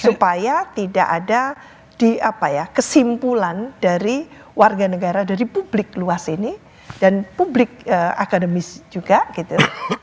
supaya tidak ada kesimpulan dari warga negara dari publik luas ini dan publik akademis juga gitu